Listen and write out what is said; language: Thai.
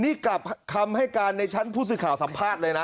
นี่กลับคำให้การในชั้นผู้สื่อข่าวสัมภาษณ์เลยนะ